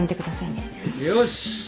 よし。